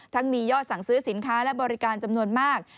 มียอดสั่งซื้อสินค้าและบริการจำนวนมาก